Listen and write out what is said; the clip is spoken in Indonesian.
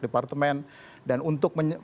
departemen dan untuk